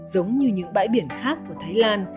giống như những bãi biển khác của thái lan